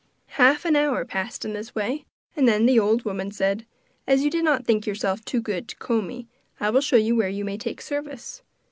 Half an hour passed in this way, and then the old woman said: 'As you did not think yourself too good to comb me, I will show you where you may take service.